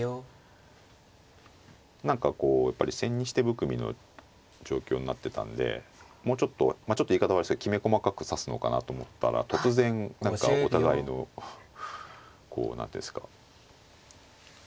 何かこうやっぱり千日手含みの状況になってたんでもうちょっとちょっと言い方悪いですけどきめ細かく指すのかなと思ったら突然何かお互いのこう何ていうんですか意思が合って戦いになりましたね。